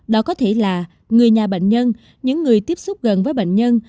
đó có thể là người nhà bệnh nhân những người tiếp xúc gần với bệnh nhân